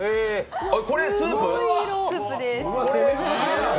これ、スープ？